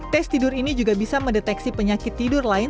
tes tidur ini juga bisa mendeteksi penyakit tidur lain